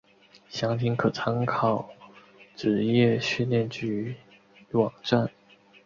详情可参考职业训练局网站。